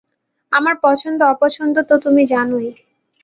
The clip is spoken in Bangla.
আমার পছন্দ-অপছন্দ তো তুমি জানোই।